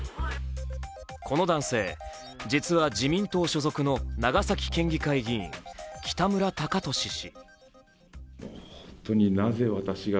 この男性、実は自民党所属の長崎県議会議員、北村貴寿氏。